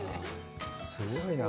すごいなぁ。